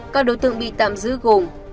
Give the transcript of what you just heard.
các đối tượng bị tạm giữ gồm